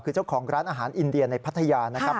คือเจ้าของร้านอาหารอินเดียในพัทยานะครับ